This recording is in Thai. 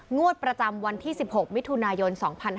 งวดประจำวันที่๑๖มิถุนายน๒๕๕๙